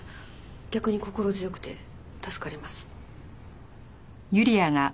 逆に心強くて助かります。